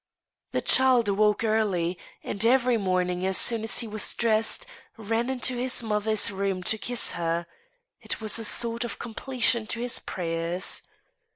The child woke early, and, every morning as soon as he was dressed, ran into his mother's room to kiss her (it was a sort of completion to his prayers).